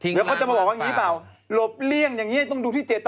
เดี๋ยวเขาก็จะมาบอกว่าหลบเลี่ยงอย่างนี้ต้องดูที่เจตนา